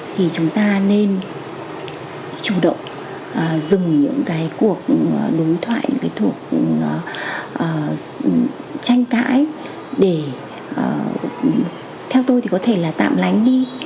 thì chúng ta nên chủ động dừng những cái cuộc đối thoại những cái thuộc tranh cãi để theo tôi thì có thể là tạm lánh đi